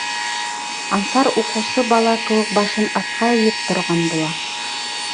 Ансар уҡыусы бала кеүек башын аҫҡа эйеп торған була.